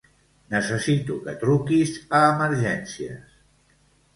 Necessito que truquis a Emergències.